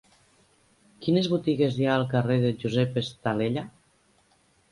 Quines botigues hi ha al carrer de Josep Estalella?